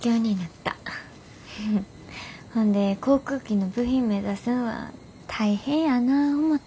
ほんで航空機の部品目指すんは大変やな思た。